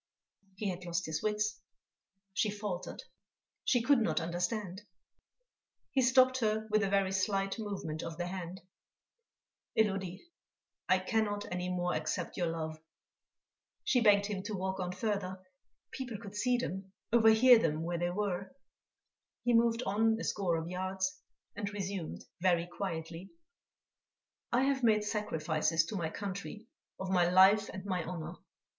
He had lost his wits, she faltered, she could not understand.... He stopped her with a very slight movement of the hand: "Élodie, I cannot any more accept your love." She begged him to walk on further; people could see them, overhear them, where they were. He moved on a score of yards, and resumed, very quietly: "I have made sacrifices to my country of my life and my honour.